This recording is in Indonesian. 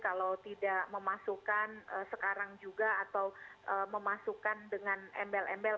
kalau tidak memasukkan sekarang juga atau memasukkan dengan embel embel